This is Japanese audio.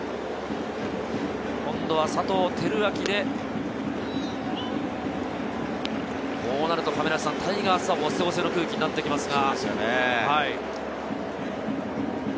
今度は佐藤輝明で、こうなるとタイガースは押せ押せの空気になってきますが。